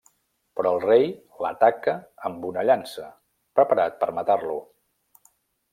Però el rei l'ataca amb una llança, preparat per matar-lo.